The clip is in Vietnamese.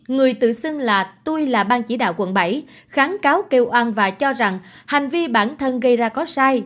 người tự xưng là tôi là bang chỉ đạo quận bảy kháng cáo kêu oan và cho rằng hành vi bản thân gây ra có sai